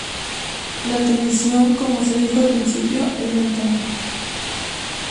La tradición, como se dijo al principio, es de antaño.